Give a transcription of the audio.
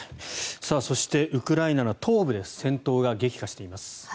そしてウクライナの東部で戦闘が激化しています。